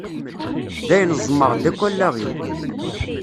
Dayen ẓmeɣ-d akk allaɣ-iw